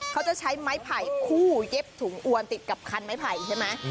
เขาจะใช้ไม้ไผ่คู่เย็บถุงอวนติดกับคันไม้ไผ่ใช่ไหม